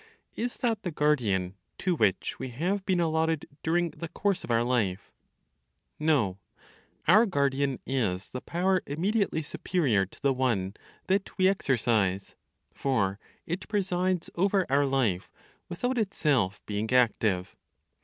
Is that the guardian to which we have been allotted during the course of our life? No: our guardian is the power immediately superior to the one that we exercise, for it presides over our life without itself being active.